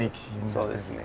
そうですね。